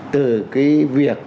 từ cái việc